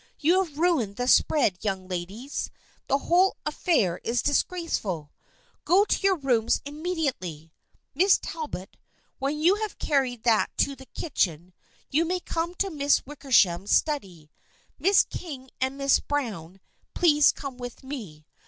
You have ruined the spread, young ladies. The whole affair is disgraceful. Go to your rooms im mediately. Miss Talbot, when you have carried that to the kitchen you may come to Miss Wick ersham's study. Miss King and Miss Browne, please come with me.